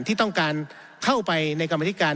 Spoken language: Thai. ที่ต้องการเข้าไปในกรรมธิการ